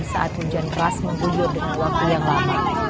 saat hujan keras mengguyur dengan waktu yang lama